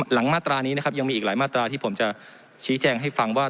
มาตรานี้นะครับยังมีอีกหลายมาตราที่ผมจะชี้แจงให้ฟังว่า